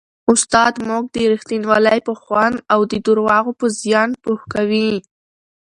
استاد موږ د رښتینولۍ په خوند او د درواغو په زیان پوه کوي.